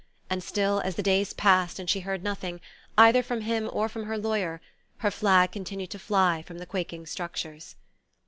And still, as the days passed and she heard nothing, either from him or from her lawyer, her flag continued to fly from the quaking structures.